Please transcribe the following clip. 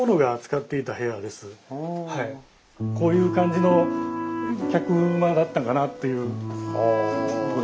こういう感じの客間だったのかなっていうとこですね。